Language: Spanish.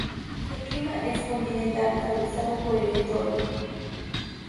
Su clima es continental, suavizado por el entorno.